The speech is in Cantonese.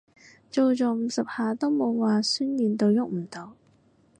做咗五十下都冇話痠軟到郁唔到